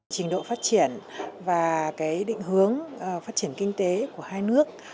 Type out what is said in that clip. trình độ phát triển và định hướng phát triển kinh tế của hai nước